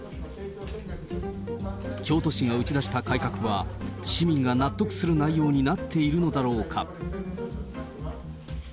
京都市が打ち出した改革は、市民が納得する内容になっているのだろうか。